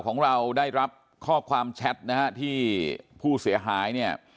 ของเราได้รับข้อความแชชท์ที่ผู้เสียหาย